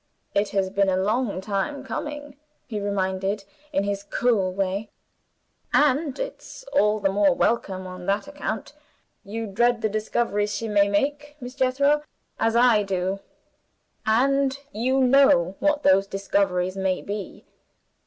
"It has been a long time coming," he remarked, in his cool way; "and it's all the more welcome on that account. You dread the discoveries she may make, Miss Jethro, as I do. And you know what those discoveries may be."